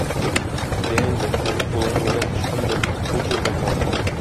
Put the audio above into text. Йә инде, хәзер кулыңны миннән ычкындыр, шул җирдә кал.